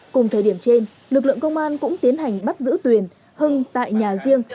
cùng thời điểm trên lực lượng công an cũng tiến hành bắt giữ tuyền hưng tại nhà riêng